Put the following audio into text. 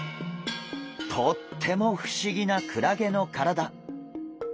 とっても不思議なクラゲの体。